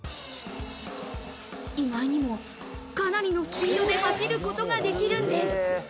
意外にもかなりのスピードで走ることができるんです。